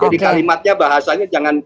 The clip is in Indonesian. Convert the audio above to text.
jadi kalimatnya bahasanya jangan